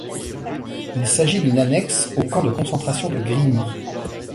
Il s'agit d'une annexe au camp de concentration de Grini.